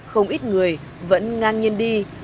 không ít người vẫn ngang nhiên đi